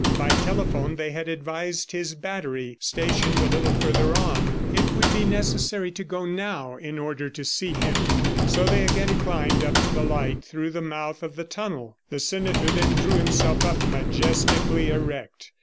By telephone they had advised his battery stationed a little further on; it would be necessary to go now in order to see him. So they again climbed up to the light through the mouth of the tunnel. The senator then drew himself up, majestically erect.